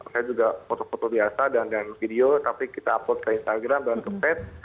saya juga foto foto biasa dan video tapi kita upload ke instagram dan kepad